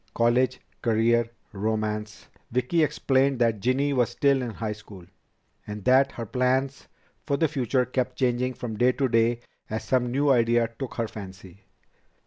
"College? Career? Romance?" Vicki explained that Ginny was still in high school, and that her plans for the future kept changing from day to day as some new idea took her fancy.